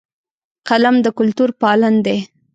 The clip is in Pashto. قلم د کلتور پالن دی